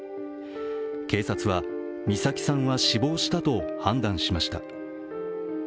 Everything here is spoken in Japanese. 警察は美咲さんは死亡したと判断しました。